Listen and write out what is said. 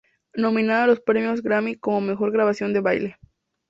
Nominada a los Premios Grammy como "Mejor Grabación de Baile".